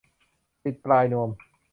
ติดปลายนวม